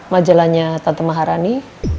majalahnya tante maharani